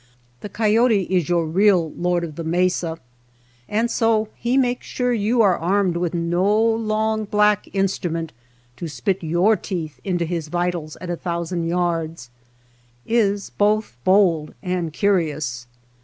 The coyote is your real lord of the mesa, and so he makes 150 I THE MESA TRAIL sure you are armed with no long black in strument to spit your teeth into his vitals at a thousand yards, is both bold and curious.